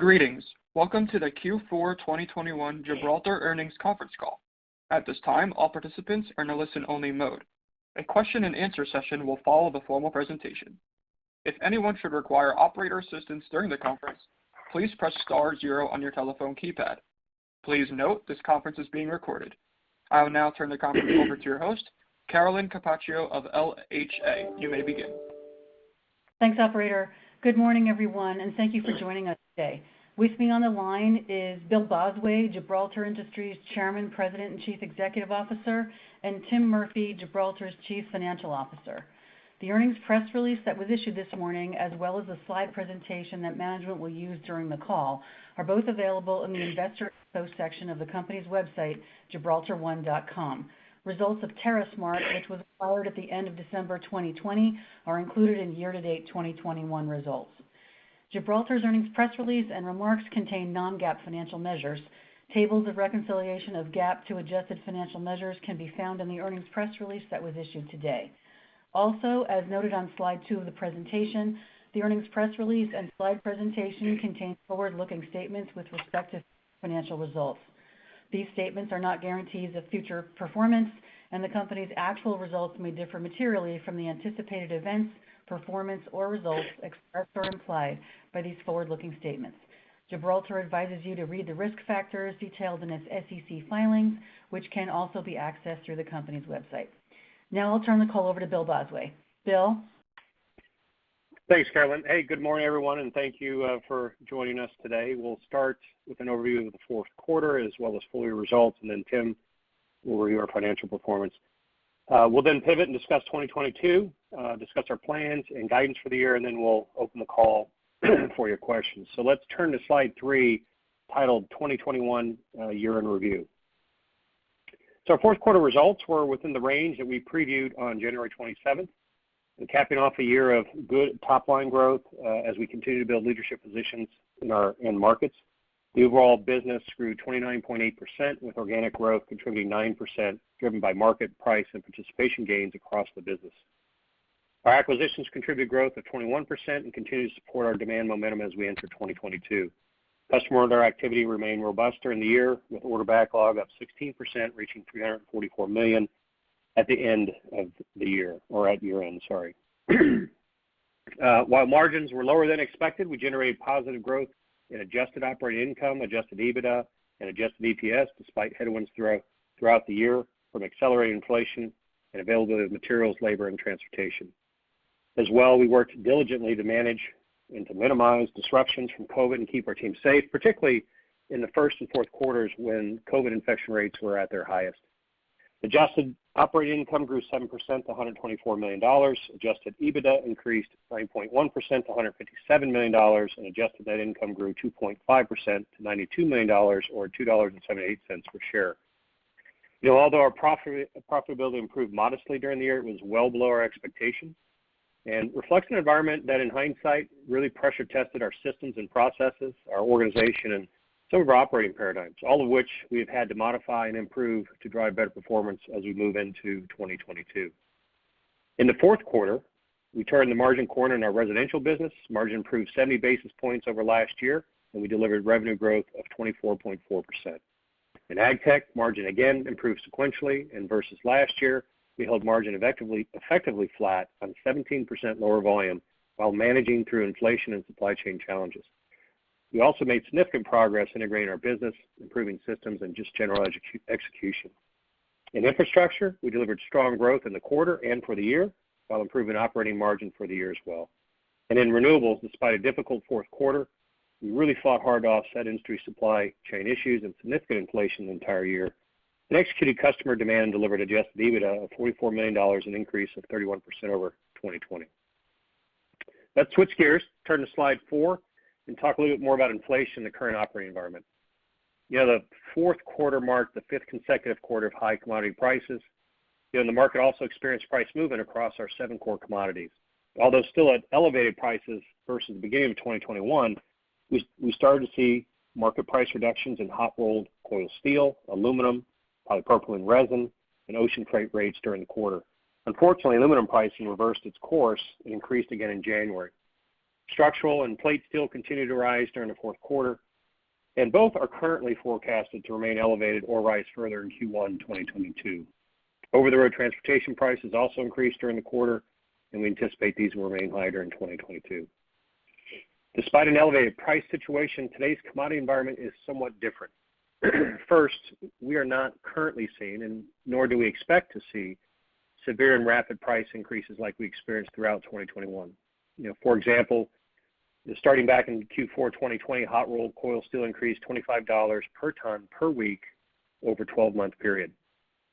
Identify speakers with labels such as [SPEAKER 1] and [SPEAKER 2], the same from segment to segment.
[SPEAKER 1] Greetings. Welcome to the Q4 2021 Gibraltar Earnings Conference Call. At this time, all participants are in a listen-only mode. A question and answer session will follow the formal presentation. If anyone should require operator assistance during the conference, please press star zero on your telephone keypad. Please note this conference is being recorded. I will now turn the conference over to your host, Carolyn Capaccio of LHA. You may begin.
[SPEAKER 2] Thanks, operator. Good morning, everyone, and thank you for joining us today. With me on the line is Bill Bosway, Gibraltar Industries Chairman, President, and Chief Executive Officer, and Tim Murphy, Gibraltar's Chief Financial Officer. The earnings press release that was issued this morning, as well as the slide presentation that management will use during the call, are both available in the Investor Info section of the company's website, gibraltar1.com. Results of TerraSmart, which was acquired at the end of December 2020, are included in year-to-date 2021 results. Gibraltar's earnings press release and remarks contain non-GAAP financial measures. Tables of reconciliation of GAAP to adjusted financial measures can be found in the earnings press release that was issued today. Also, as noted on slide two of the presentation, the earnings press release and slide presentation contain forward-looking statements with respect to financial results. These statements are not guarantees of future performance, and the company's actual results may differ materially from the anticipated events, performance, or results expressed or implied by these forward-looking statements. Gibraltar advises you to read the risk factors detailed in its SEC filings, which can also be accessed through the company's website. Now I'll turn the call over to Bill Bosway. Bill?
[SPEAKER 3] Thanks, Carolyn. Hey, good morning, everyone, and thank you for joining us today. We'll start with an overview of the fourth quarter as well as full year results, and then Tim will review our financial performance. We'll then pivot and discuss 2022, our plans and guidance for the year, and then we'll open the call for your questions. Let's turn to slide three, titled 2021 Year-End Review. Our fourth quarter results were within the range that we previewed on January 27 and capping off a year of good top-line growth as we continue to build leadership positions in our end markets. The overall business grew 29.8% with organic growth contributing 9% driven by market price and participation gains across the business. Our acquisitions contributed growth of 21% and continue to support our demand momentum as we enter 2022. Customer order activity remained robust during the year with order backlog up 16%, reaching $344 million at the end of the year or at year-end, sorry. While margins were lower than expected, we generated positive growth in adjusted operating income, adjusted EBITDA, and adjusted EPS despite headwinds throughout the year from accelerated inflation and availability of materials, labor, and transportation. As well, we worked diligently to manage and to minimize disruptions from COVID and keep our team safe, particularly in the first and fourth quarters when COVID infection rates were at their highest. Adjusted operating income grew 7% to $124 million. Adjusted EBITDA increased 9.1% to $157 million, and adjusted net income grew 2.5% to $92 million or $2.78 per share. You know, although our profit, profitability improved modestly during the year, it was well below our expectations and reflects an environment that in hindsight really pressure tested our systems and processes, our organization, and some of our operating paradigms, all of which we have had to modify and improve to drive better performance as we move into 2022. In the fourth quarter, we turned the margin corner in our residential business. Margin improved 70 basis points over last year, and we delivered revenue growth of 24.4%. In Agtech, margin again improved sequentially and versus last year. We held margin effectively flat on 17% lower volume while managing through inflation and supply chain challenges. We also made significant progress integrating our business, improving systems, and just general execution. In infrastructure, we delivered strong growth in the quarter and for the year while improving operating margin for the year as well. In renewables, despite a difficult fourth quarter, we really fought hard to offset industry supply chain issues and significant inflation the entire year and executed customer demand and delivered adjusted EBITDA of $44 million, an increase of 31% over 2020. Let's switch gears, turn to slide four, and talk a little bit more about inflation in the current operating environment. You know, the fourth quarter marked the fifth consecutive quarter of high commodity prices. You know, and the market also experienced price movement across our seven core commodities. Although still at elevated prices versus the beginning of 2021, we started to see market price reductions in hot-rolled coil steel, aluminum, polypropylene resin, and ocean freight rates during the quarter. Unfortunately, aluminum pricing reversed its course and increased again in January. Structural and plate steel continued to rise during the fourth quarter, and both are currently forecasted to remain elevated or rise further in Q1 2022. Over-the-road transportation prices also increased during the quarter, and we anticipate these will remain high during 2022. Despite an elevated price situation, today's commodity environment is somewhat different. First, we are not currently seeing, and nor do we expect to see, severe and rapid price increases like we experienced throughout 2021. You know, for example, starting back in Q4 2020, hot-rolled coil steel increased $25 per ton per week over a 12-month period,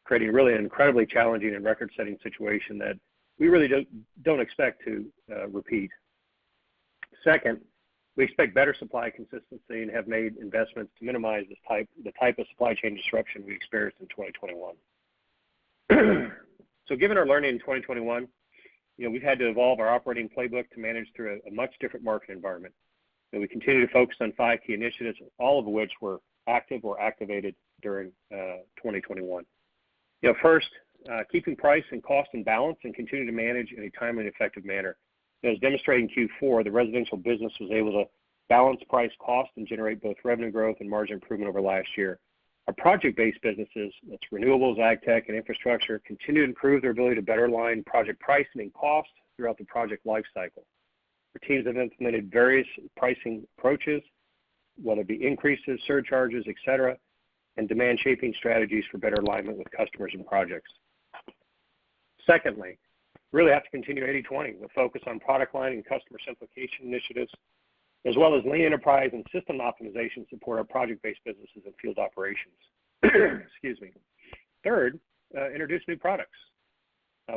[SPEAKER 3] creating really an incredibly challenging and record-setting situation that we really don't expect to repeat. Second, we expect better supply consistency and have made investments to minimize this type of supply chain disruption we experienced in 2021. Given our learning in 2021, you know, we've had to evolve our operating playbook to manage through a much different market environment. We continue to focus on five key initiatives, all of which were active or activated during 2021. You know, first, keeping price and cost in balance and continue to manage in a timely and effective manner. As demonstrated in Q4, the residential business was able to balance price and cost and generate both revenue growth and margin improvement over last year. Our project-based businesses, that's renewables, Agtech, and infrastructure, continue to improve their ability to better align project pricing and costs throughout the project life cycle. Our teams have implemented various pricing approaches, whether it be increases, surcharges, et cetera, and demand shaping strategies for better alignment with customers and projects. Secondly, we really have to continue 80/20. We'll focus on product line and customer simplification initiatives, as well as lean enterprise and system optimization to support our project-based businesses and field operations. Excuse me. Third, introduce new products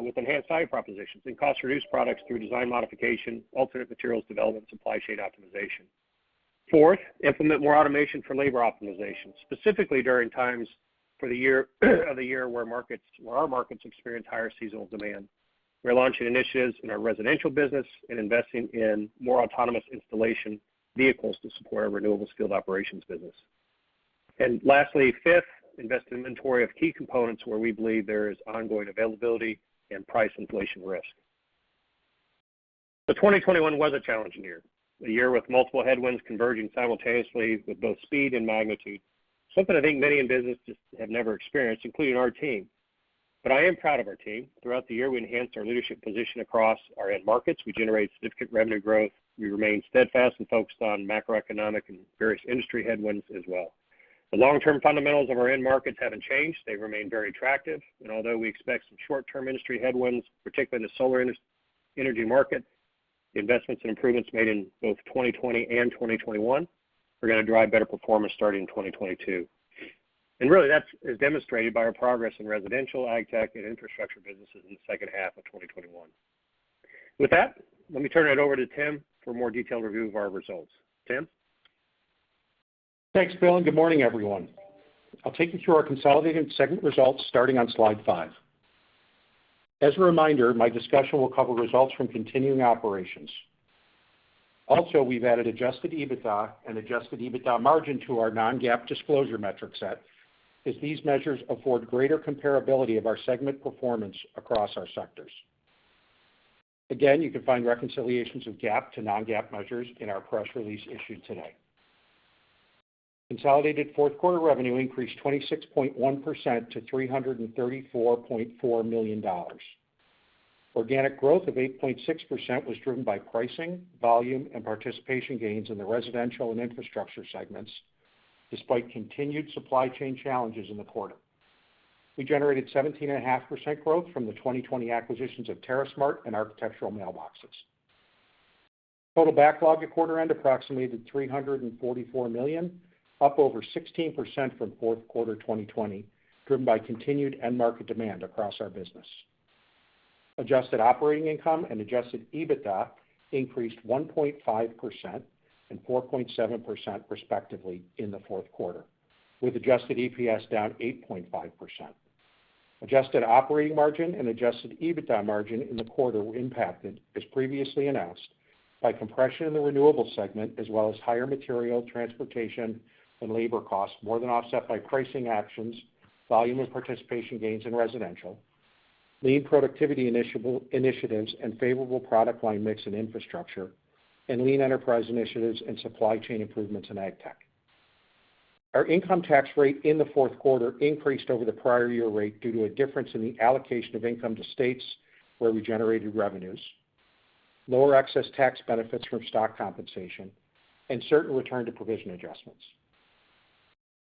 [SPEAKER 3] with enhanced value propositions and cost-reduced products through design modification, alternate materials development, supply chain optimization. Fourth, implement more automation for labor optimization, specifically during times of the year where our markets experience higher seasonal demand. We're launching initiatives in our residential business and investing in more autonomous installation vehicles to support our renewables field operations business. Lastly, fifth, invest in inventory of key components where we believe there is ongoing availability and price inflation risk. 2021 was a challenging year, a year with multiple headwinds converging simultaneously with both speed and magnitude, something I think many in business just have never experienced, including our team. I am proud of our team. Throughout the year, we enhanced our leadership position across our end markets. We generated significant revenue growth. We remained steadfast and focused on macroeconomic and various industry headwinds as well. The long-term fundamentals of our end markets haven't changed. They remain very attractive. Although we expect some short-term industry headwinds, particularly in the solar energy market, the investments and improvements made in both 2020 and 2021 are gonna drive better performance starting in 2022. Really that's as demonstrated by our progress in residential, Agtech, and infrastructure businesses in the second half of 2021. With that, let me turn it over to Tim for a more detailed review of our results. Tim?
[SPEAKER 4] Thanks, Bill, and good morning, everyone. I'll take you through our consolidated segment results starting on slide five. As a reminder, my discussion will cover results from continuing operations. Also, we've added adjusted EBITDA and adjusted EBITDA margin to our non-GAAP disclosure metric set, as these measures afford greater comparability of our segment performance across our sectors. Again, you can find reconciliations of GAAP to non-GAAP measures in our press release issued today. Consolidated fourth quarter revenue increased 26.1% to $334.4 million. Organic growth of 8.6% was driven by pricing, volume, and participation gains in the residential and infrastructure segments, despite continued supply chain challenges in the quarter. We generated 17.5% growth from the 2020 acquisitions of TerraSmart and Architectural Mailboxes. Total backlog at quarter end approximated $344 million, up over 16% from fourth quarter 2020, driven by continued end market demand across our business. Adjusted operating income and adjusted EBITDA increased 1.5% and 4.7%, respectively, in the fourth quarter, with adjusted EPS down 8.5%. Adjusted operating margin and adjusted EBITDA margin in the quarter were impacted, as previously announced, by compression in the renewables segment as well as higher material, transportation, and labor costs more than offset by pricing actions, volume and participation gains in residential, lean productivity initiatives and favorable product line mix in infrastructure, and lean enterprise initiatives and supply chain improvements in Agtech. Our income tax rate in the fourth quarter increased over the prior year rate due to a difference in the allocation of income to states where we generated revenues, lower excess tax benefits from stock compensation, and certain return to provision adjustments.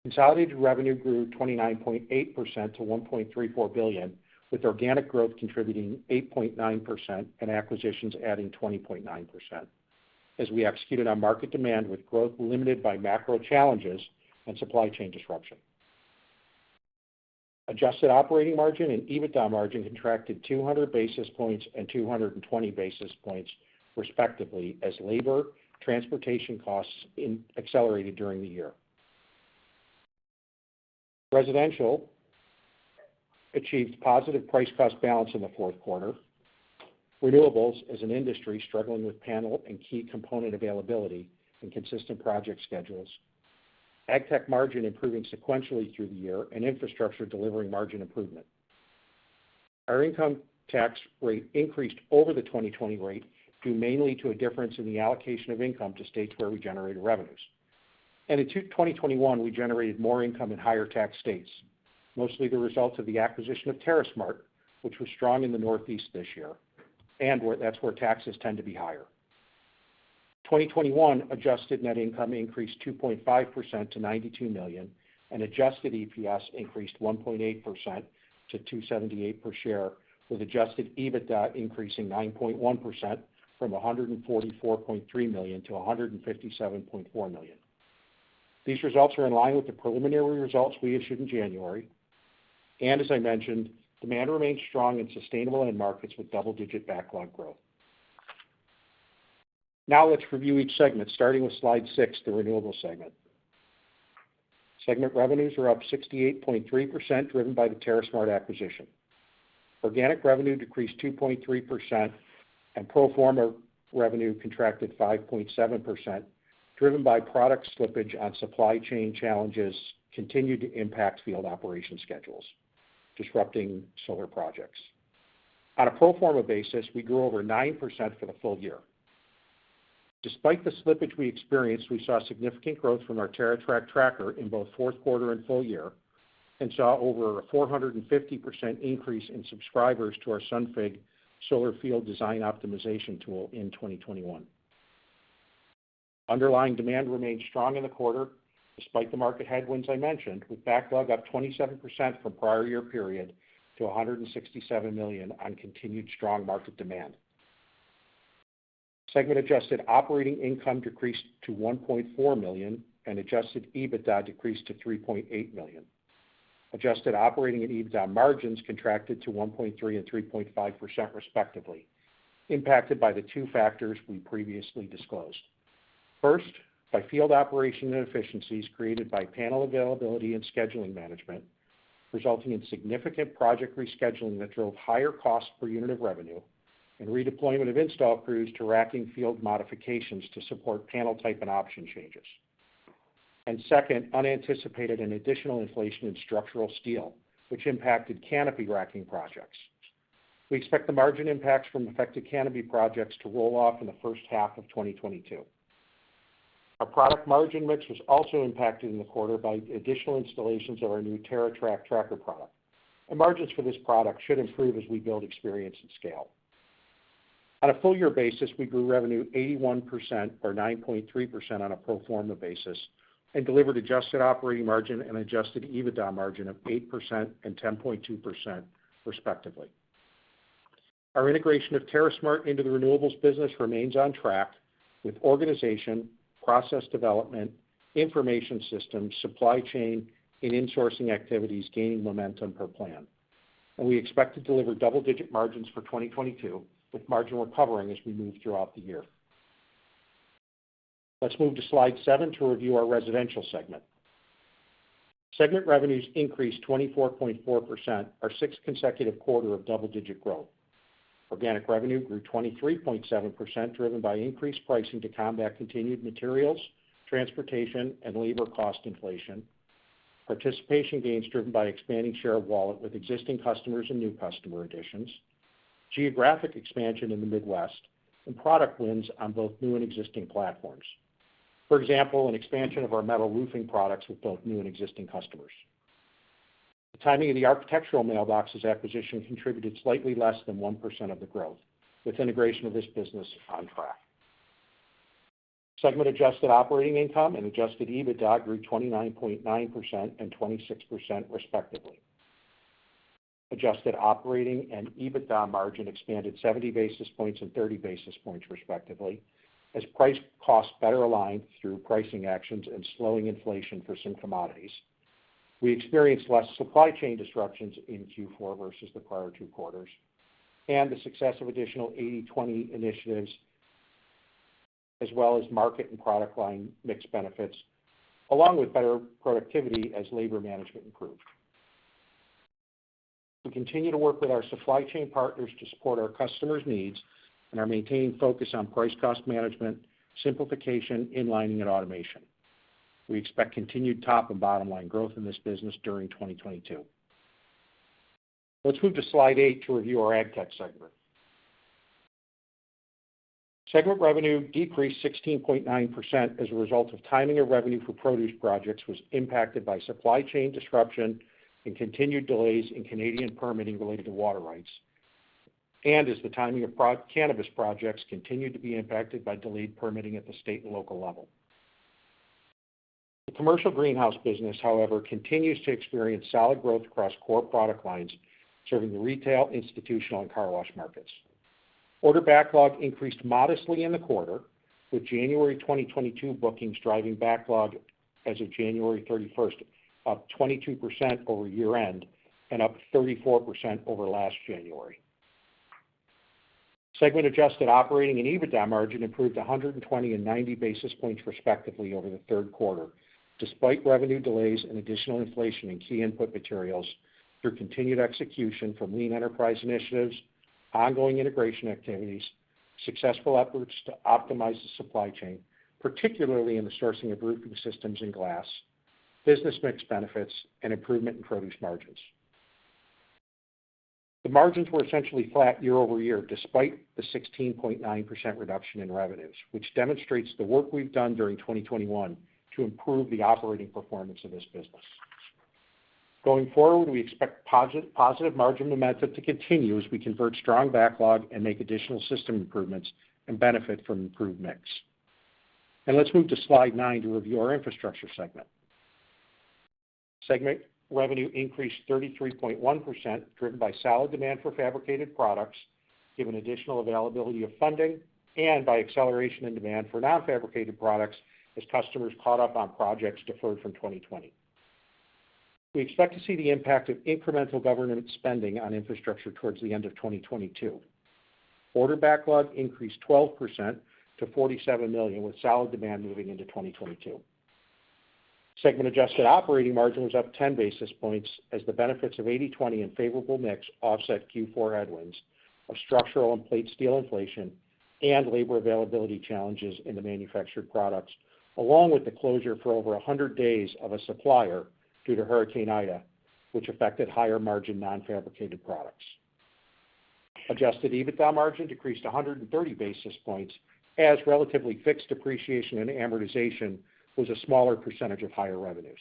[SPEAKER 4] Consolidated revenue grew 29.8% to $1.34 billion, with organic growth contributing 8.9% and acquisitions adding 20.9% as we executed on market demand with growth limited by macro challenges and supply chain disruption. Adjusted operating margin and EBITDA margin contracted 200 basis points and 220 basis points respectively as labor, transportation costs accelerated during the year. Residential achieved positive price cost balance in the fourth quarter. Renewables as an industry struggling with panel and key component availability and consistent project schedules. Agtech margin improving sequentially through the year and infrastructure delivering margin improvement. Our income tax rate increased over the 2020 rate due mainly to a difference in the allocation of income to states where we generated revenues. In 2021, we generated more income in higher tax states, mostly the result of the acquisition of TerraSmart, which was strong in the Northeast this year, and that's where taxes tend to be higher. 2021 adjusted net income increased 2.5% to $92 million, and adjusted EPS increased 1.8% to $2.78 per share, with adjusted EBITDA increasing 9.1% from $144.3 million to $157.4 million. These results are in line with the preliminary results we issued in January. As I mentioned, demand remains strong, sustainable end markets with double-digit backlog growth. Now let's review each segment starting with slide six, the Renewables segment. Segment revenues are up 68.3%, driven by the TerraSmart acquisition. Organic revenue decreased 2.3% and pro forma revenue contracted 5.7%, driven by product slippage on supply chain challenges continued to impact field operation schedules, disrupting solar projects. On a pro forma basis, we grew over 9% for the full year. Despite the slippage we experienced, we saw significant growth from our TerraTrak tracker in both fourth quarter and full year and saw over a 450% increase in subscribers to our Sunfig solar field design optimization tool in 2021. Underlying demand remained strong in the quarter despite the market headwinds I mentioned, with backlog up 27% from prior year period to $167 million on continued strong market demand. Segment adjusted operating income decreased to $1.4 million, and adjusted EBITDA decreased to $3.8 million. Adjusted operating and EBITDA margins contracted to 1.3% and 3.5% respectively, impacted by the two factors we previously disclosed. First, by field operation inefficiencies created by panel availability and scheduling management, resulting in significant project rescheduling that drove higher cost per unit of revenue and redeployment of install crews to racking field modifications to support panel type and option changes. Second, unanticipated and additional inflation in structural steel, which impacted canopy racking projects. We expect the margin impacts from affected canopy projects to roll off in the first half of 2022. Our product margin mix was also impacted in the quarter by additional installations of our new TerraTrak tracker product, and margins for this product should improve as we build experience and scale. On a full year basis, we grew revenue 81% or 9.3% on a pro forma basis and delivered adjusted operating margin and adjusted EBITDA margin of 8% and 10.2% respectively. Our integration of TerraSmart into the renewables business remains on track with organization, process development, information systems, supply chain and insourcing activities gaining momentum per plan. We expect to deliver double-digit margins for 2022, with margin recovering as we move throughout the year. Let's move to slide seven to review our residential segment. Segment revenues increased 24.4%, our sixth consecutive quarter of double-digit growth. Organic revenue grew 23.7%, driven by increased pricing to combat continued materials, transportation and labor cost inflation, participation gains driven by expanding share of wallet with existing customers and new customer additions, geographic expansion in the Midwest, and product wins on both new and existing platforms. For example, an expansion of our metal roofing products with both new and existing customers. The timing of the Architectural Mailboxes acquisition contributed slightly less than 1% of the growth, with integration of this business on track. Segment adjusted operating income and adjusted EBITDA grew 29.9% and 26% respectively. Adjusted operating and EBITDA margin expanded 70 basis points and 30 basis points respectively, as price cost better aligned through pricing actions and slowing inflation for some commodities. We experienced less supply chain disruptions in Q4 versus the prior two quarters, and the success of additional 80/20 initiatives as well as market and product line mix benefits, along with better productivity as labor management improved. We continue to work with our supply chain partners to support our customers' needs and are maintaining focus on price cost management, simplification, inlining and automation. We expect continued top and bottom line growth in this business during 2022. Let's move to slide eight to review our Agtech segment. Segment revenue decreased 16.9% as a result of timing of revenue for produce projects was impacted by supply chain disruption and continued delays in Canadian permitting related to water rights as the timing of cannabis projects continued to be impacted by delayed permitting at the state and local level. The commercial greenhouse business, however, continues to experience solid growth across core product lines, serving the retail, institutional and car wash markets. Order backlog increased modestly in the quarter, with January 2022 bookings driving backlog as of January 31, up 22% over year-end and up 34% over last January. Segment adjusted operating and EBITDA margin improved 120 basis points and 90 basis points respectively over the third quarter, despite revenue delays and additional inflation in key input materials through continued execution from lean enterprise initiatives, ongoing integration activities, successful efforts to optimize the supply chain, particularly in the sourcing of roofing systems and glass, business mix benefits and improvement in produce margins. The margins were essentially flat year-over-year despite the 16.9% reduction in revenues, which demonstrates the work we've done during 2021 to improve the operating performance of this business. Going forward, we expect positive margin momentum to continue as we convert strong backlog and make additional system improvements and benefit from improved mix. Let's move to slide nine to review our infrastructure segment. Segment revenue increased 33.1%, driven by solid demand for fabricated products, given additional availability of funding and by acceleration in demand for non-fabricated products as customers caught up on projects deferred from 2020. We expect to see the impact of incremental government spending on infrastructure towards the end of 2022. Order backlog increased 12% to $47 million, with solid demand moving into 2022. Segment adjusted operating margin was up 10 basis points as the benefits of 80/20 and favorable mix offset Q4 headwinds of structural and plate steel inflation and labor availability challenges in the manufactured products, along with the closure for over 100 days of a supplier due to Hurricane Ida, which affected higher margin non-fabricated products. Adjusted EBITDA margin decreased 130 basis points as relatively fixed depreciation and amortization was a smaller percentage of higher revenues.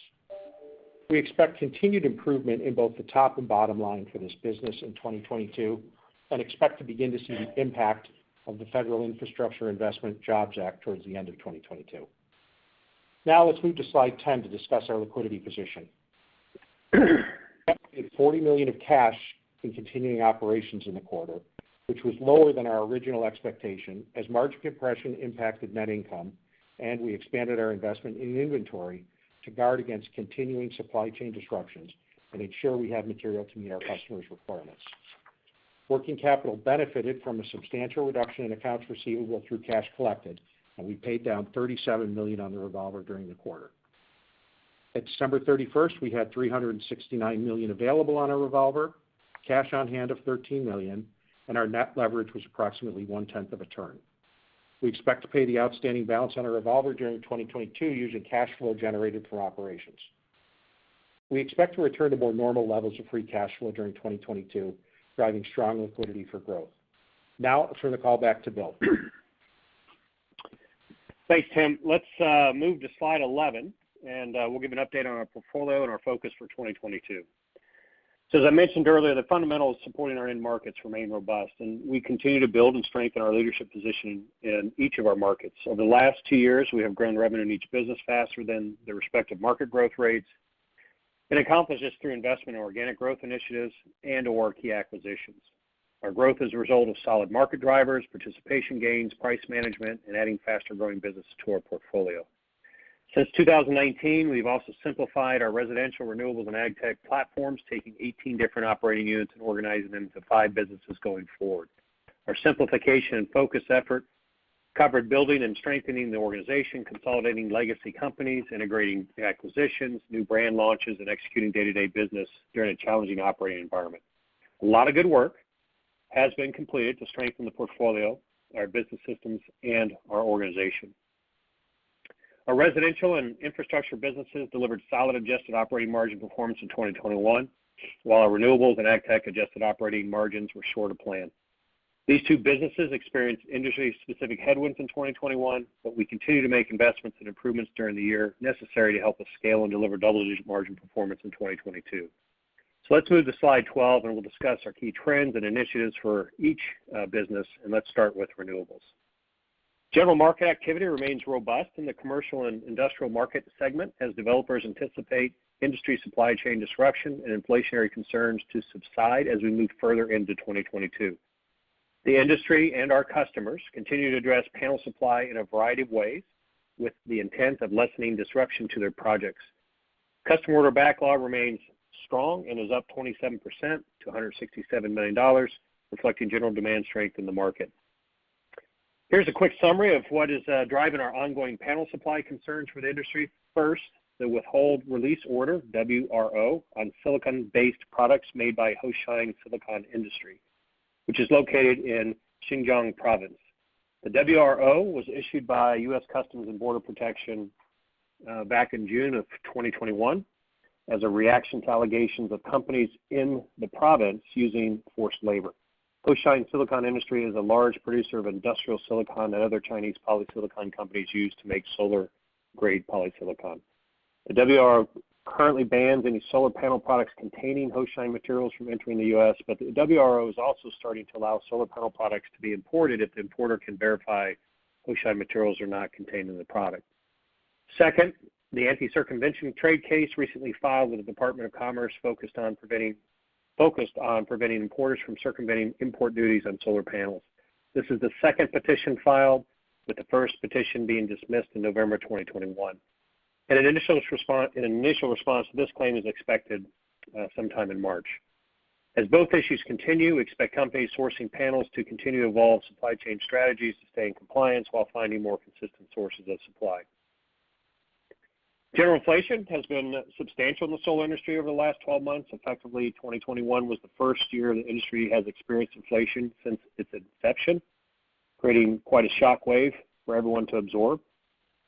[SPEAKER 4] We expect continued improvement in both the top and bottom line for this business in 2022, and expect to begin to see the impact of the Infrastructure Investment and Jobs Act towards the end of 2022. Now let's move to slide 10 to discuss our liquidity position. $40 million of cash in continuing operations in the quarter, which was lower than our original expectation as margin compression impacted net income, and we expanded our investment in inventory to guard against continuing supply chain disruptions and ensure we have material to meet our customers' requirements. Working capital benefited from a substantial reduction in accounts receivable through cash collected, and we paid down $37 million on the revolver during the quarter. At December 31, we had $369 million available on our revolver, cash on hand of $13 million, and our net leverage was approximately one-tenth of a turn. We expect to pay the outstanding balance on our revolver during 2022 using cash flow generated from operations. We expect to return to more normal levels of free cash flow during 2022, driving strong liquidity for growth. Now I'll turn the call back to Bill.
[SPEAKER 3] Thanks, Tim. Let's move to slide 11 and we'll give an update on our portfolio and our focus for 2022. As I mentioned earlier, the fundamentals supporting our end markets remain robust, and we continue to build and strengthen our leadership position in each of our markets. Over the last two years, we have grown revenue in each business faster than the respective market growth rates, and accomplished this through investment in organic growth initiatives and/or key acquisitions. Our growth is a result of solid market drivers, participation gains, price management, and adding faster-growing businesses to our portfolio. Since 2019, we've also simplified our residential renewables and ag tech platforms, taking 18 different operating units and organizing them into five businesses going forward. Our simplification and focus effort covered building and strengthening the organization, consolidating legacy companies, integrating the acquisitions, new brand launches, and executing day-to-day business during a challenging operating environment. A lot of good work has been completed to strengthen the portfolio, our business systems, and our organization. Our residential and infrastructure businesses delivered solid adjusted operating margin performance in 2021, while our renewables and Agtech adjusted operating margins were short of plan. These two businesses experienced industry-specific headwinds in 2021, but we continue to make investments and improvements during the year necessary to help us scale and deliver double-digit margin performance in 2022. Let's move to slide 12, and we'll discuss our key trends and initiatives for each business, and let's start with renewables. General market activity remains robust in the commercial and industrial market segment as developers anticipate industry supply chain disruption and inflationary concerns to subside as we move further into 2022. The industry and our customers continue to address panel supply in a variety of ways with the intent of lessening disruption to their projects. Customer order backlog remains strong and is up 27% to $167 million, reflecting general demand strength in the market. Here's a quick summary of what is driving our ongoing panel supply concerns for the industry. First, the Withhold Release Order, WRO, on silicon-based products made by Hoshine Silicon Industry, which is located in Xinjiang Province. The WRO was issued by U.S. Customs and Border Protection back in June of 2021 as a reaction to allegations of companies in the province using forced labor. Hoshine Silicon Industry Co., Ltd. is a large producer of industrial silicon that other Chinese polysilicon companies use to make solar-grade polysilicon. The WRO currently bans any solar panel products containing Hoshine materials from entering the U.S., but the WRO is also starting to allow solar panel products to be imported if the importer can verify Hoshine materials are not contained in the product. Second, the anti-circumvention trade case recently filed with the Department of Commerce focused on preventing importers from circumventing import duties on solar panels. This is the second petition filed, with the first petition being dismissed in November 2021. An initial response to this claim is expected sometime in March. As both issues continue, we expect companies sourcing panels to continue to evolve supply chain strategies to stay in compliance while finding more consistent sources of supply. General inflation has been substantial in the solar industry over the last 12 months. Effectively, 2021 was the first year the industry has experienced inflation since its inception, creating quite a shockwave for everyone to absorb.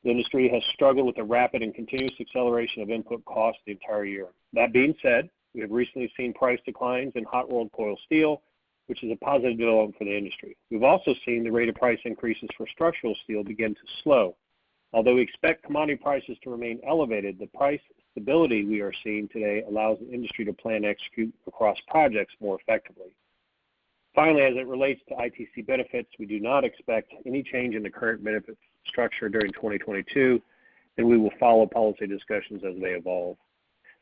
[SPEAKER 3] The industry has struggled with the rapid and continuous acceleration of input costs the entire year. That being said, we have recently seen price declines in hot-rolled coil steel, which is a positive development for the industry. We've also seen the rate of price increases for structural steel begin to slow. Although we expect commodity prices to remain elevated, the price stability we are seeing today allows the industry to plan and execute across projects more effectively. Finally, as it relates to ITC benefits, we do not expect any change in the current benefit structure during 2022, and we will follow policy discussions as they evolve.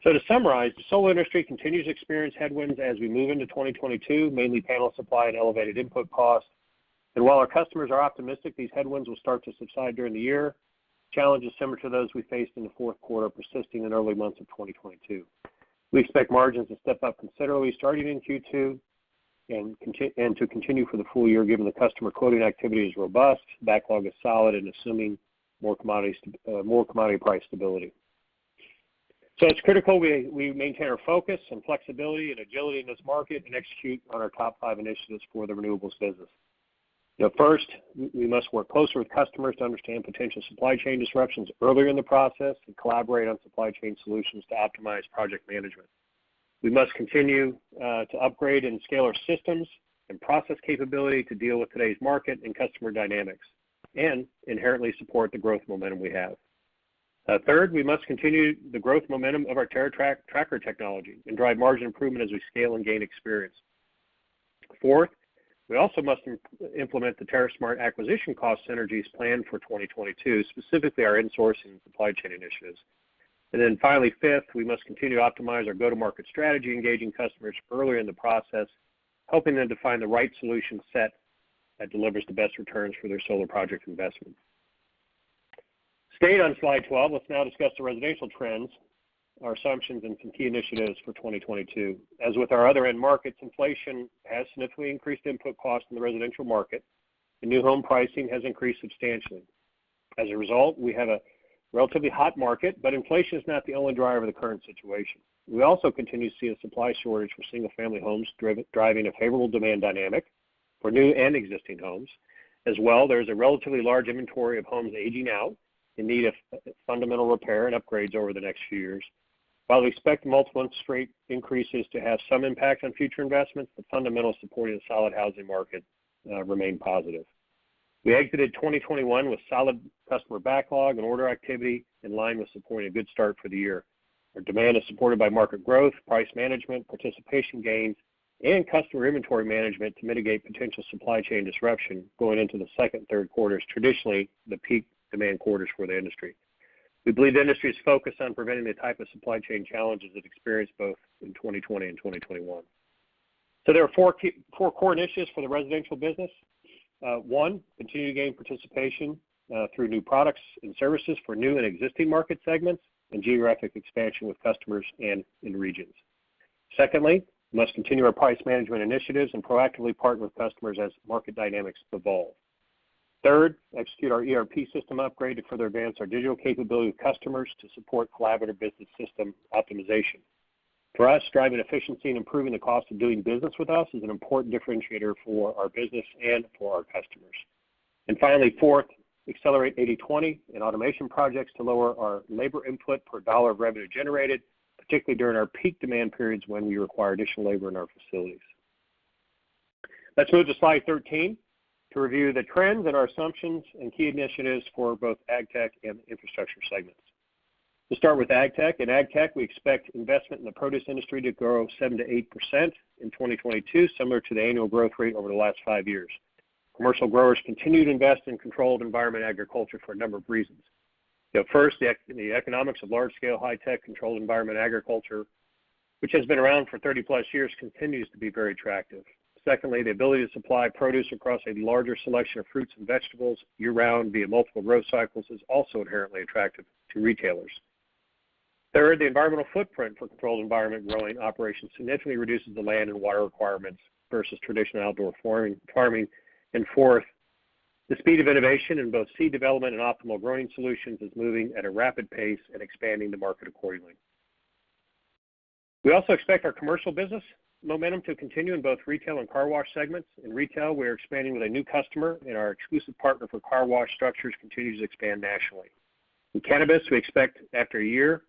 [SPEAKER 3] To summarize, the solar industry continues to experience headwinds as we move into 2022, mainly panel supply and elevated input costs. While our customers are optimistic these headwinds will start to subside during the year, challenges similar to those we faced in the fourth quarter persisting in early months of 2022. We expect margins to step up considerably starting in Q2 and to continue for the full year, given the customer quoting activity is robust, backlog is solid, and assuming more commodity price stability. It's critical we maintain our focus and flexibility and agility in this market and execute on our top five initiatives for the renewables business. The first, we must work closer with customers to understand potential supply chain disruptions earlier in the process and collaborate on supply chain solutions to optimize project management. We must continue to upgrade and scale our systems and process capability to deal with today's market and customer dynamics, and inherently support the growth momentum we have. Third, we must continue the growth momentum of our TerraTrak tracker technology and drive margin improvement as we scale and gain experience. Fourth, we also must implement the TerraSmart acquisition cost synergies planned for 2022, specifically our insourcing supply chain initiatives. Finally, fifth, we must continue to optimize our go-to-market strategy, engaging customers earlier in the process, helping them to find the right solution set that delivers the best returns for their solar project investment. Staying on slide 12, let's now discuss the residential trends, our assumptions, and some key initiatives for 2022. As with our other end markets, inflation has significantly increased input costs in the residential market, and new home pricing has increased substantially. As a result, we have a relatively hot market, but inflation is not the only driver of the current situation. We also continue to see a supply shortage for single-family homes driving a favorable demand dynamic for new and existing homes. As well, there's a relatively large inventory of homes aging out in need of fundamental repair and upgrades over the next few years. While we expect multiple and straight increases to have some impact on future investments, the fundamentals supporting a solid housing market remain positive. We exited 2021 with solid customer backlog and order activity in line with supporting a good start for the year, where demand is supported by market growth, price management, participation gains, and customer inventory management to mitigate potential supply chain disruption going into the second and third quarters, traditionally the peak demand quarters for the industry. We believe the industry is focused on preventing the type of supply chain challenges it experienced both in 2020 and 2021. There are four core initiatives for the residential business. One, continue to gain participation through new products and services for new and existing market segments and geographic expansion with customers and in regions. Secondly, we must continue our price management initiatives and proactively partner with customers as market dynamics evolve. Third, execute our ERP system upgrade to further advance our digital capability with customers to support collaborative business system optimization. For us, driving efficiency and improving the cost of doing business with us is an important differentiator for our business and for our customers. Finally, fourth, accelerate 80/20 in automation projects to lower our labor input per dollar of revenue generated, particularly during our peak demand periods when we require additional labor in our facilities. Let's move to slide 13 to review the trends and our assumptions and key initiatives for both Agtech and Infrastructure segments. We'll start with Agtech. In Agtech, we expect investment in the produce industry to grow 7%-8% in 2022, similar to the annual growth rate over the last five years. Commercial growers continue to invest in controlled environment agriculture for a number of reasons. The first, the economics of large-scale, high-tech, controlled environment agriculture, which has been around for 30+ years, continues to be very attractive. Secondly, the ability to supply produce across a larger selection of fruits and vegetables year-round via multiple growth cycles is also inherently attractive to retailers. Third, the environmental footprint for controlled environment growing operations significantly reduces the land and water requirements versus traditional outdoor farming. Fourth, the speed of innovation in both seed development and optimal growing solutions is moving at a rapid pace and expanding the market accordingly. We also expect our commercial business momentum to continue in both retail and car wash segments. In retail, we are expanding with a new customer, and our exclusive partner for car wash structures continues to expand nationally. In cannabis, we expect after a year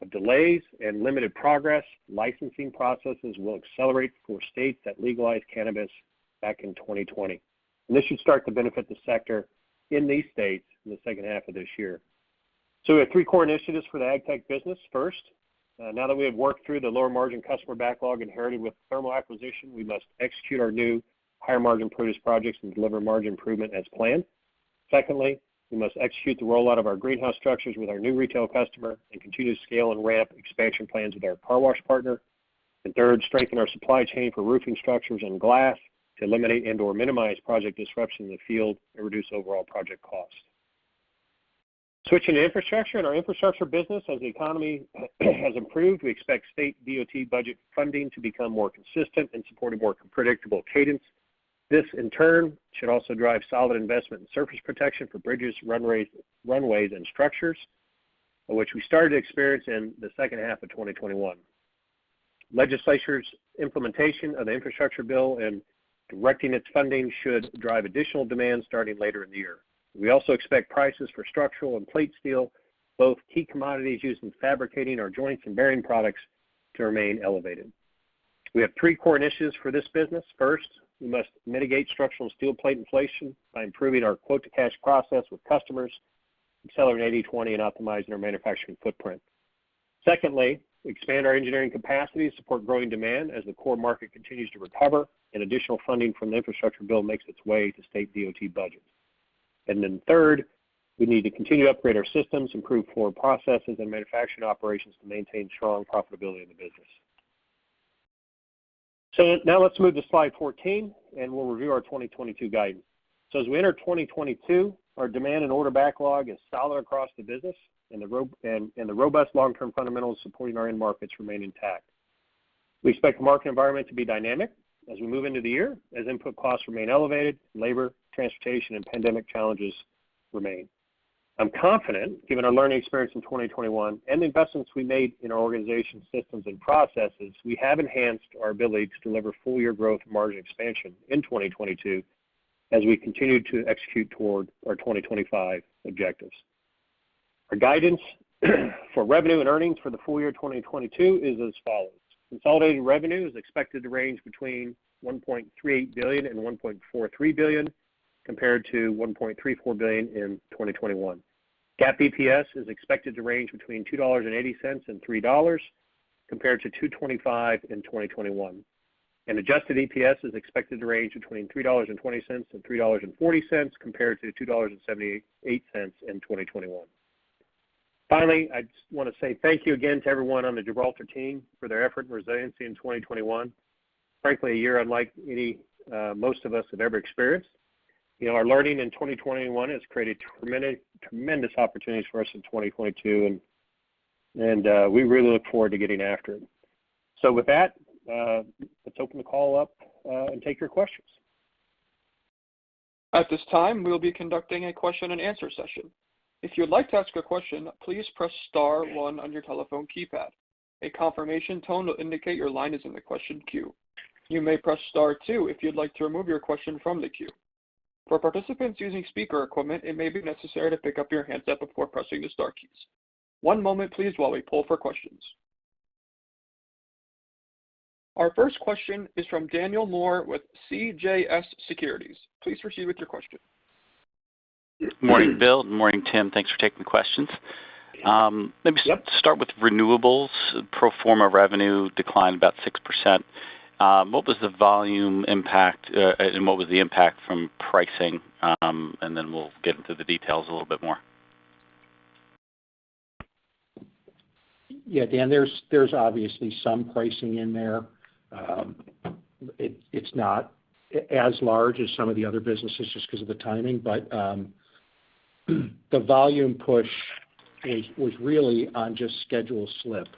[SPEAKER 3] of delays and limited progress, licensing processes will accelerate for states that legalized cannabis back in 2020. This should start to benefit the sector in these states in the second half of this year. We have three core initiatives for the Agtech business. First, now that we have worked through the lower margin customer backlog inherited with the Thermo acquisition, we must execute our new higher margin produce projects and deliver margin improvement as planned. Secondly, we must execute the rollout of our greenhouse structures with our new retail customer and continue to scale and ramp expansion plans with our car wash partner. Third, strengthen our supply chain for roofing structures and glass to eliminate and/or minimize project disruption in the field and reduce overall project costs. Switching to infrastructure. In our infrastructure business, as the economy has improved, we expect state DOT budget funding to become more consistent in support of more predictable cadence. This in turn should also drive solid investment in surface protection for bridges, runways and structures, which we started to experience in the second half of 2021. Legislature's implementation of the infrastructure bill and directing its funding should drive additional demand starting later in the year. We also expect prices for structural and plate steel, both key commodities used in fabricating our joints and bearing products, to remain elevated. We have three core initiatives for this business. First, we must mitigate structural and steel plate inflation by improving our quote-to-cash process with customers, accelerating 80/20, and optimizing our manufacturing footprint. Secondly, expand our engineering capacity to support growing demand as the core market continues to recover and additional funding from the infrastructure bill makes its way to state DOT budgets. Third, we need to continue to upgrade our systems, improve core processes and manufacturing operations to maintain strong profitability in the business. Now let's move to slide 14, and we'll review our 2022 guidance.
[SPEAKER 4] As we enter 2022, our demand and order backlog is solid across the business, and the robust long-term fundamentals supporting our end markets remain intact. We expect the market environment to be dynamic as we move into the year as input costs remain elevated, labor, transportation, and pandemic challenges remain. I'm confident, given our learning experience in 2021 and the investments we made in our organization systems and processes, we have enhanced our ability to deliver full year growth margin expansion in 2022 as we continue to execute toward our 2025 objectives. Our guidance for revenue and earnings for the full year 2022 is as follows. Consolidated revenue is expected to range between $1.38 billion-$1.43 billion, compared to $1.34 billion in 2021. GAAP EPS is expected to range between $2.80-$3 compared to $2.25 in 2021. Adjusted EPS is expected to range between $3.20-$3.40 compared to $2.78 in 2021. Finally, I just wanna say thank you again to everyone on the Gibraltar team for their effort and resiliency in 2021. Frankly, a year unlike any, most of us have ever experienced. You know, our learning in 2021 has created tremendous opportunities for us in 2022, and we really look forward to getting after it. With that, let's open the call up and take your questions.
[SPEAKER 1] At this time, we'll be conducting a question and answer session. If you'd like to ask a question, please press star one on your telephone keypad. A confirmation tone will indicate your line is in the question queue. You may press star two if you'd like to remove your question from the queue. For participants using speaker equipment, it may be necessary to pick up your handset before pressing the star keys. One moment please while we poll for questions. Our first question is from Daniel Moore with CJS Securities. Please proceed with your question.
[SPEAKER 5] Morning, Bill. Morning, Tim. Thanks for taking the questions. Let me
[SPEAKER 4] Yep.
[SPEAKER 5] Start with renewables. Pro forma revenue declined about 6%. What was the volume impact, and what was the impact from pricing? We'll get into the details a little bit more.
[SPEAKER 4] Yeah, Dan, there's obviously some pricing in there. It's not as large as some of the other businesses just 'cause of the timing. The volume push was really on just schedule slip,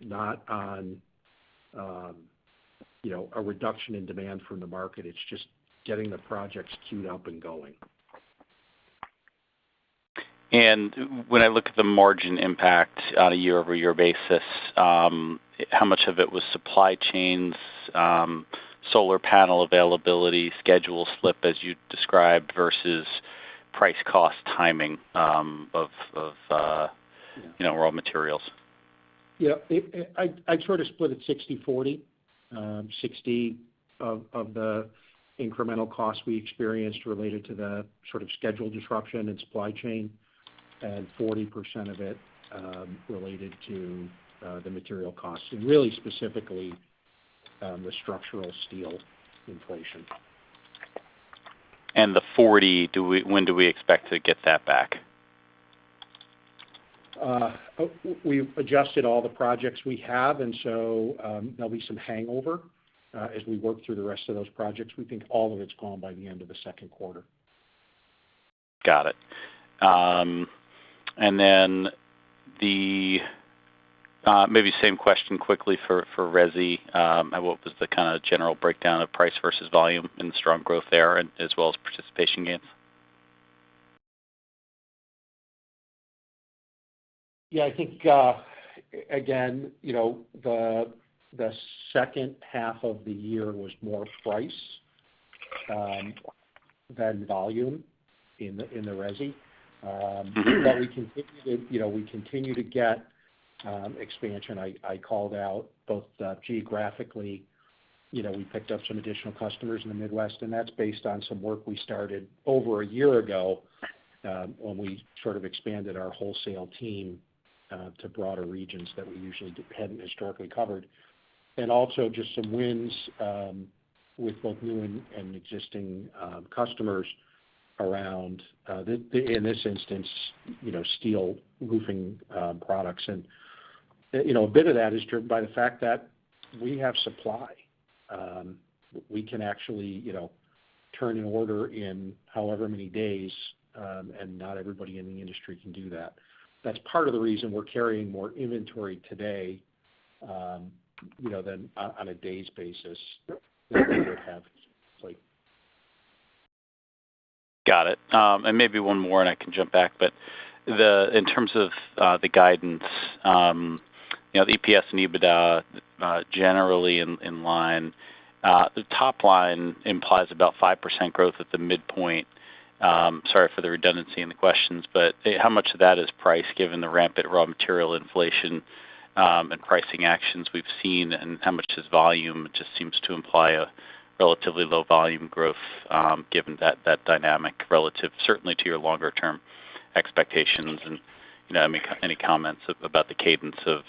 [SPEAKER 4] not on, you know, a reduction in demand from the market. It's just getting the projects queued up and going.
[SPEAKER 5] When I look at the margin impact on a year-over-year basis, how much of it was supply chains, solar panel availability, schedule slip as you described, versus price cost timing, of you know, raw materials?
[SPEAKER 4] I'd sort of split it 60/40. 60% of the incremental costs we experienced related to the sort of schedule disruption and supply chain, and 40% of it related to the material costs and really specifically the structural steel inflation.
[SPEAKER 5] The 40%, when do we expect to get that back?
[SPEAKER 4] We've adjusted all the projects we have, and so there'll be some hangover as we work through the rest of those projects. We think all of it's gone by the end of the second quarter.
[SPEAKER 5] Got it. Maybe same question quickly for resi. What was the kinda general breakdown of price versus volume and the strong growth there, as well as participation gains?
[SPEAKER 4] Yeah. I think again, you know, the second half of the year was more price than volume in the resi. We continue to get expansion. I called out both geographically, you know, we picked up some additional customers in the Midwest, and that's based on some work we started over a year ago, when we sort of expanded our wholesale team to broader regions that we usually hadn't historically covered. Also just some wins with both new and existing customers around, in this instance, you know, steel roofing products. You know, a bit of that is driven by the fact that we have supply. We can actually, you know, turn an order in however many days, and not everybody in the industry can do that. That's part of the reason we're carrying more inventory today, you know, than on a day's basis than we would have like.
[SPEAKER 5] Got it. Maybe one more, and I can jump back. In terms of the guidance, you know, the EPS and EBITDA generally in line. The top line implies about 5% growth at the midpoint. Sorry for the redundancy in the questions, but how much of that is price given the rampant raw material inflation and pricing actions we've seen, and how much is volume? It just seems to imply a relatively low volume growth, given that dynamic relative certainly to your longer term expectations. You know, any comments about the cadence of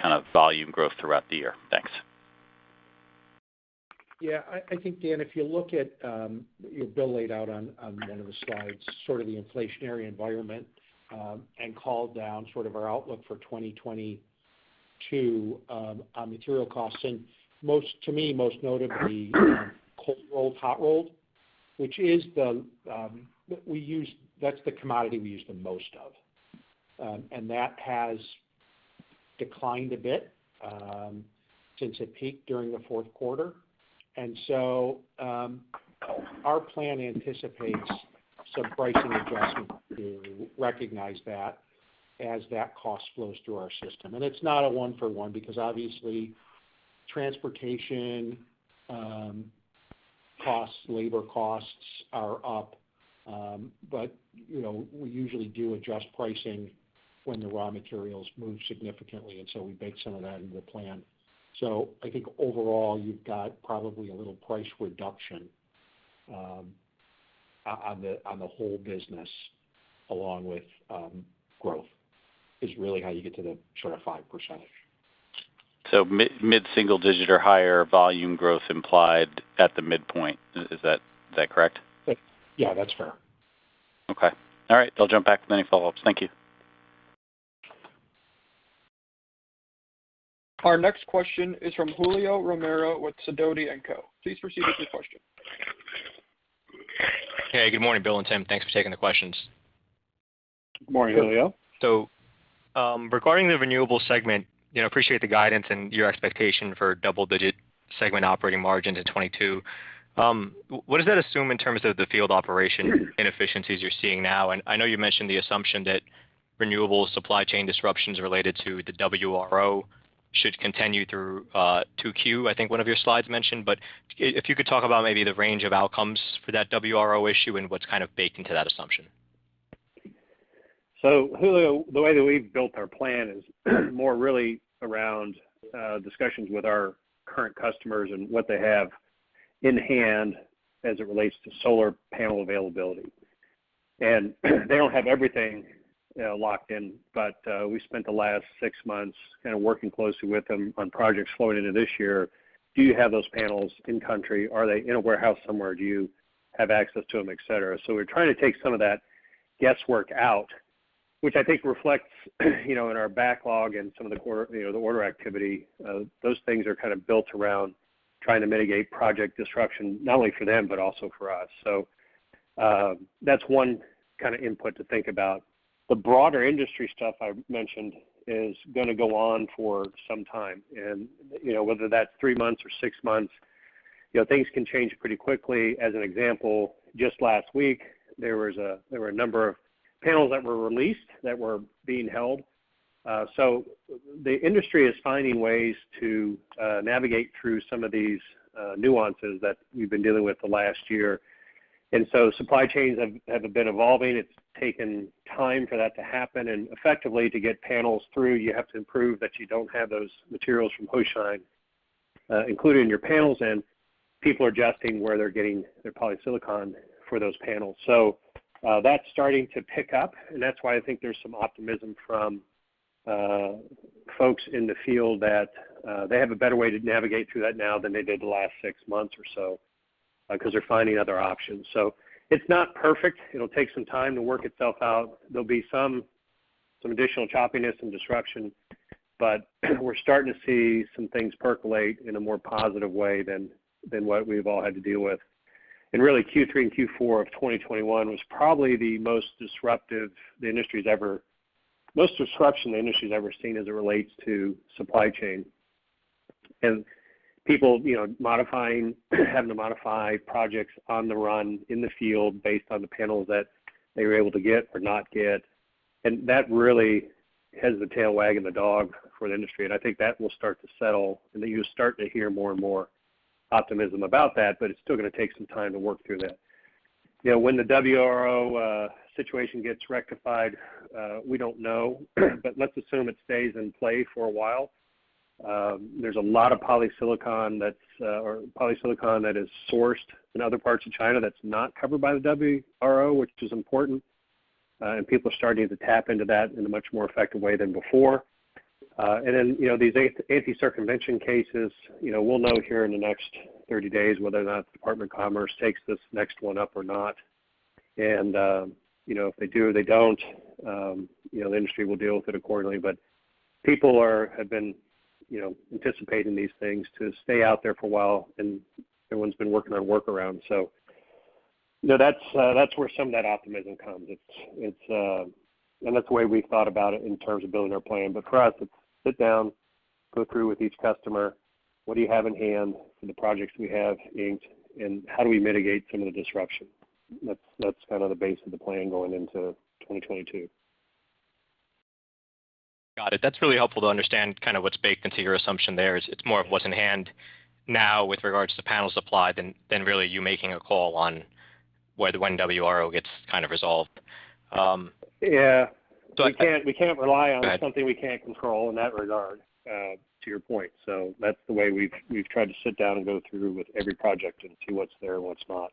[SPEAKER 5] kind of volume growth throughout the year? Thanks.
[SPEAKER 4] Yeah. I think, Dan, if you look at Bill laid out on one of the slides sort of the inflationary environment and dialed down sort of our outlook for 2022, our material costs. To me, most notably, cold-rolled, hot-rolled, which is the commodity we use the most of. That has declined a bit since it peaked during the fourth quarter. Our plan anticipates some pricing adjustment to recognize that as that cost flows through our system. It's not a one-for-one because obviously transportation costs, labor costs are up. You know, we usually do adjust pricing when the raw materials move significantly, and so we bake some of that into the plan. I think overall, you've got probably a little price reduction on the whole business along with growth is really how you get to the sort of 5%.
[SPEAKER 5] Mid single digit or higher volume growth implied at the midpoint. Is that correct?
[SPEAKER 4] Yeah, that's fair.
[SPEAKER 5] Okay. All right. I'll jump back with any follow-ups. Thank you.
[SPEAKER 1] Our next question is from Julio Romero with Sidoti & Co. Please proceed with your question.
[SPEAKER 6] Hey, good morning, Bill and Tim. Thanks for taking the questions.
[SPEAKER 3] Good morning, Julio.
[SPEAKER 6] Regarding the renewable segment, you know, I appreciate the guidance and your expectation for double-digit segment operating margin to 22%. What does that assume in terms of the field operation inefficiencies you're seeing now? I know you mentioned the assumption that renewable supply chain disruptions related to the WRO should continue through 2Q, I think one of your slides mentioned. If you could talk about maybe the range of outcomes for that WRO issue and what's kind of baked into that assumption.
[SPEAKER 3] Julio, the way that we've built our plan is more really around discussions with our current customers and what they have in hand as it relates to solar panel availability. They don't have everything locked in, but we spent the last six months kind of working closely with them on projects flowing into this year. Do you have those panels in country? Are they in a warehouse somewhere? Do you have access to them, et cetera. We're trying to take some of that guesswork out, which I think reflects, you know, in our backlog and some of the quarter, you know, the order activity. Those things are kind of built around trying to mitigate project disruption, not only for them, but also for us. That's one kind of input to think about. The broader industry stuff I mentioned is gonna go on for some time. You know, whether that's three months or six months, you know, things can change pretty quickly. As an example, just last week, there were a number of panels that were released that were being held. So the industry is finding ways to navigate through some of these nuances that we've been dealing with the last year. Supply chains have been evolving. It's taken time for that to happen. Effectively, to get panels through, you have to prove that you don't have those materials from Hoshine, including your panels in. People are adjusting where they're getting their polysilicon for those panels. That's starting to pick up, and that's why I think there's some optimism from folks in the field that they have a better way to navigate through that now than they did the last six months or so, 'cause they're finding other options. It's not perfect. It'll take some time to work itself out. There'll be some additional choppiness and disruption, but we're starting to see some things percolate in a more positive way than what we've all had to deal with. Really, Q3 and Q4 of 2021 was probably the most disruption the industry's ever seen as it relates to supply chain. People, you know, having to modify projects on the run in the field based on the panels that they were able to get or not get. That really has the tail wagging the dog for the industry. I think that will start to settle, and then you'll start to hear more and more optimism about that, but it's still gonna take some time to work through that. You know, when the WRO situation gets rectified, we don't know, but let's assume it stays in play for a while. There's a lot of polysilicon that is sourced in other parts of China that's not covered by the WRO, which is important. People are starting to tap into that in a much more effective way than before. You know, these anti-circumvention cases, you know, we'll know here in the next 30 days whether or not the Department of Commerce takes this next one up or not. You know, if they do or they don't, you know, the industry will deal with it accordingly. People have been, you know, anticipating these things to stay out there for a while, and everyone's been working on workarounds. You know, that's where some of that optimism comes. It's and that's the way we thought about it in terms of building our plan. For us, it's sit down, go through with each customer, what do you have in hand for the projects we have inked, and how do we mitigate some of the disruption? That's kind of the base of the plan going into 2022.
[SPEAKER 6] Got it. That's really helpful to understand kind of what's baked into your assumption there. It's more of what's in hand now with regards to panel supply than really you making a call on whether when WRO gets kind of resolved.
[SPEAKER 3] Yeah.
[SPEAKER 6] So I-
[SPEAKER 3] We can't rely on.
[SPEAKER 6] Go ahead...
[SPEAKER 3] something we can't control in that regard, to your point. That's the way we've tried to sit down and go through with every project and see what's there and what's not.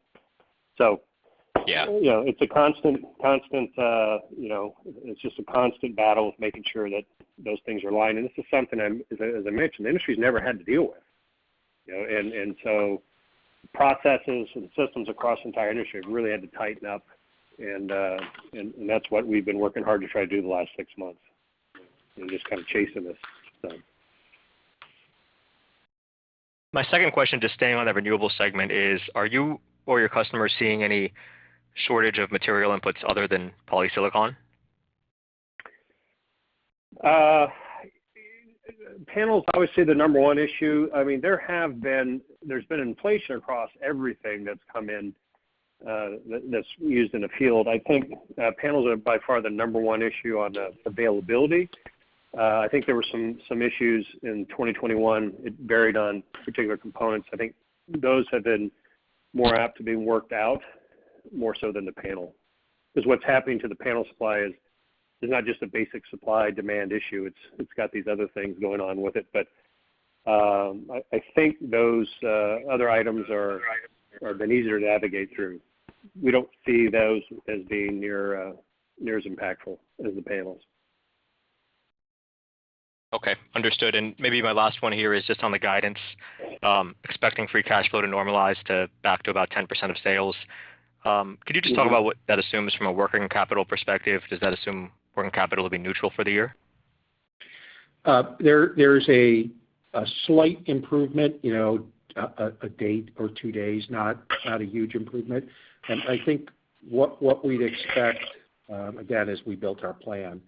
[SPEAKER 6] Yeah
[SPEAKER 3] You know, it's a constant you know. It's just a constant battle of making sure that those things are aligned. This is something, as I mentioned, the industry's never had to deal with. You know, and so processes and systems across the entire industry have really had to tighten up and that's what we've been working hard to try to do the last six months, just kind of chasing this thing.
[SPEAKER 6] My second question, just staying on that renewable segment is, are you or your customers seeing any shortage of material inputs other than polysilicon?
[SPEAKER 3] Panel's obviously the number one issue. I mean, there's been inflation across everything that's come in, that's used in the field. I think, panels are by far the number one issue on availability. I think there were some issues in 2021. It varied on particular components. I think those have been more apt to being worked out more so than the panel. 'Cause what's happening to the panel supply is not just a basic supply-demand issue. It's got these other things going on with it. I think those other items have been easier to navigate through. We don't see those as being near as impactful as the panels.
[SPEAKER 6] Okay. Understood. Maybe my last one here is just on the guidance, expecting free cash flow to normalize to back to about 10% of sales. Could you just talk about what that assumes from a working capital perspective? Does that assume working capital will be neutral for the year?
[SPEAKER 4] There is a slight improvement, you know, a date or two days, not a huge improvement. I think what we'd expect, again, as we built our plan,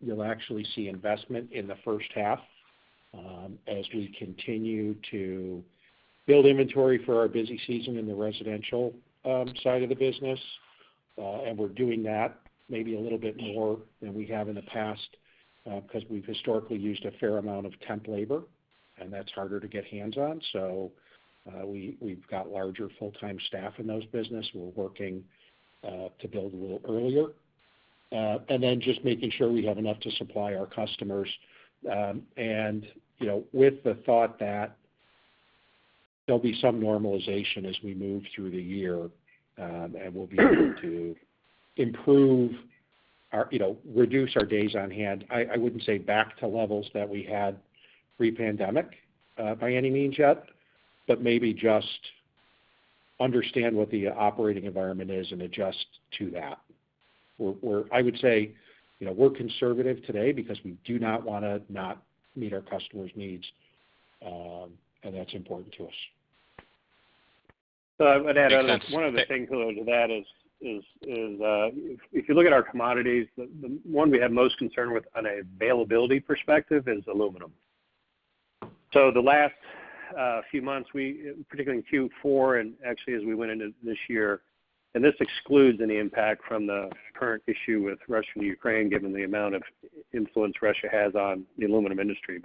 [SPEAKER 4] you'll actually see investment in the first half, as we continue to build inventory for our busy season in the residential side of the business. We're doing that maybe a little bit more than we have in the past, 'cause we've historically used a fair amount of temp labor, and that's harder to get our hands on. We've got larger full-time staff in those businesses. We're working to build a little earlier. Just making sure we have enough to supply our customers, you know, with the thought that there'll be some normalization as we move through the year, and we'll be able to improve our, you know, reduce our days on hand. I wouldn't say back to levels that we had pre-pandemic by any means yet, but maybe just understand what the operating environment is and adjust to that. I would say, you know, we're conservative today because we do not wanna not meet our customers' needs, and that's important to us.
[SPEAKER 3] I'd add one other thing to that is, if you look at our commodities, the one we have most concern with on an availability perspective is aluminum. The last few months, particularly in Q4 and actually as we went into this year, and this excludes any impact from the current issue with Russia and Ukraine, given the amount of influence Russia has on the aluminum industry.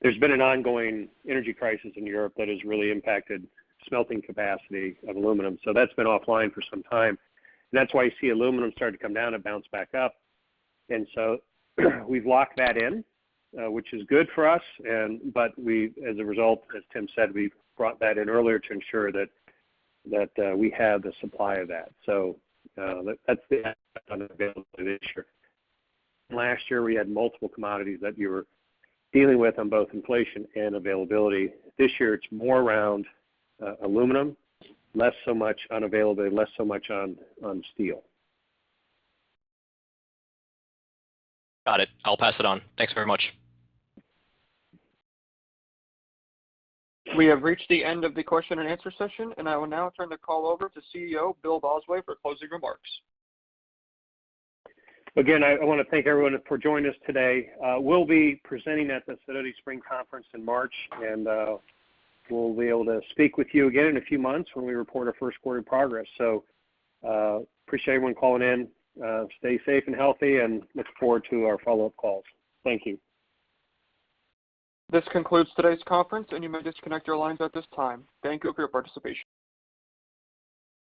[SPEAKER 3] There's been an ongoing energy crisis in Europe that has really impacted smelting capacity of aluminum. That's been offline for some time. That's why you see aluminum starting to come down and bounce back up. We've locked that in, which is good for us, but as a result, as Tim said, we've brought that in earlier to ensure that we have the supply of that. That's the availability this year. Last year, we had multiple commodities that we were dealing with on both inflation and availability. This year, it's more around aluminum, less so much on availability, less so much on steel.
[SPEAKER 6] Got it. I'll pass it on. Thanks very much.
[SPEAKER 1] We have reached the end of the question and answer session, and I will now turn the call over to CEO Bill Bosway for closing remarks.
[SPEAKER 3] I wanna thank everyone for joining us today. We'll be presenting at the Sidoti Spring Conference in March, and we'll be able to speak with you again in a few months when we report our first quarter progress. Appreciate everyone calling in, stay safe and healthy, and look forward to our follow-up calls. Thank you.
[SPEAKER 1] This concludes today's conference, and you may disconnect your lines at this time. Thank you for your participation.